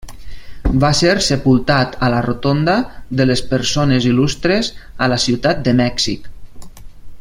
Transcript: Va ser sepultat a la Rotonda de les Persones Il·lustres, a la Ciutat de Mèxic.